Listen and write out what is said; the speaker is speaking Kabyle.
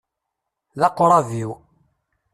D aqrab-iw.